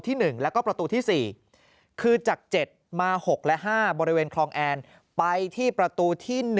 ๑แล้วก็ประตูที่๔คือจาก๗มา๖และ๕บริเวณคลองแอนไปที่ประตูที่๑